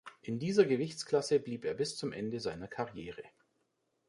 In dieser Gewichtsklasse blieb er bis zum Ende seiner Karriere.